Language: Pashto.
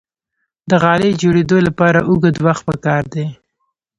د غالۍ جوړیدو لپاره اوږد وخت پکار دی.